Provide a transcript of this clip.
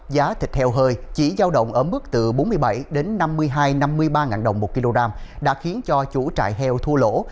giá thịt heo hơi chỉ giao động ở mức từ bốn mươi bảy đến năm mươi hai năm mươi ba đồng một kg đã khiến cho chủ trại heo thua lỗ